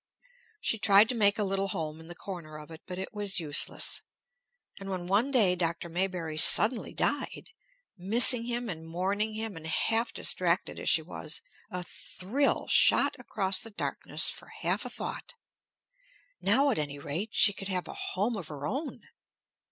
She tried to make a little home in the corner of it; but it was useless. And when one day Dr. Maybury suddenly died, missing him and mourning him, and half distracted as she was, a thrill shot across the darkness for half a thought, now at any rate she could have a home of her own!